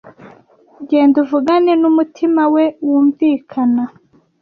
genda uvugane numutima we wunvikana